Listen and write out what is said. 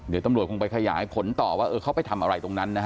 เดี๋ยวตำรวจคงไปขยายผลต่อว่าเออเขาไปทำอะไรตรงนั้นนะฮะ